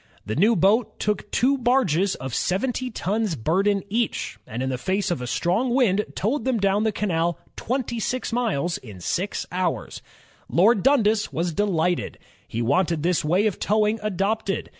The new boat took two barges of seventy tons burden each, and in the face of a strong wind toWed them down the canal twenty miles in six hours. Lord Dimdas was delighted. He wanted this way of towing adopted.